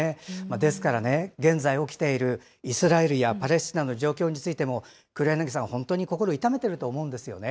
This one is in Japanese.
ですからね、現在起きているイスラエルやパレスチナの状況についても、黒柳さんは本当に心を痛めていると思うんですよね。